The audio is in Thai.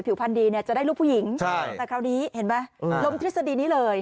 พันธ์ดีเนี่ยจะได้ลูกผู้หญิงแต่คราวนี้เห็นไหมลมทฤษฎีนี้เลย